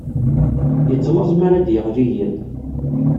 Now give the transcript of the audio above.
Yettlaẓ mi ara d-yeɣli yiḍ